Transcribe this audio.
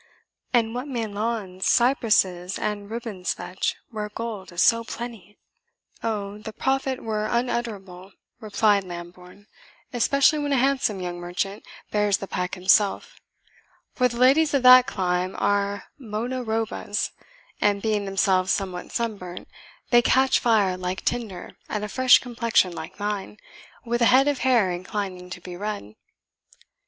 And what may lawns, cypruses, and ribands fetch, where gold is so plenty?" "Oh, the profit were unutterable," replied Lambourne, "especially when a handsome young merchant bears the pack himself; for the ladies of that clime are bona robas, and being themselves somewhat sunburnt, they catch fire like tinder at a fresh complexion like thine, with a head of hair inclining to be red."